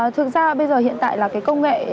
thực ra bây giờ hiện tại là cái công nghệ